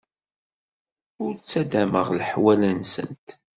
Ur ttaddameɣ leḥwal-nsent.